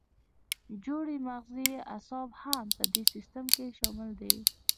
جوړې مغزي اعصاب هم په دې سیستم کې شامل دي.